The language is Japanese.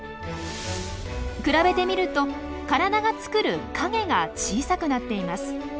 比べてみると体が作る影が小さくなっています。